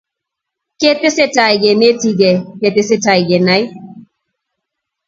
ketesetai kenetkei ketesetai kenai